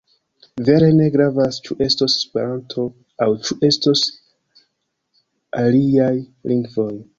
Vere ne gravas ĉu estos Esperanto aŭ ĉu estos aliaj lingvoj.